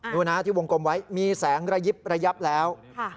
ที่วงกลมไว้มีแสงระยิบระยับแล้ว